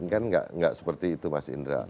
kan nggak seperti itu mas indra